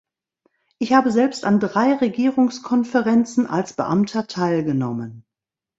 Ich habe selbst an drei Regierungskonferenzen als Beamter teilgenommen.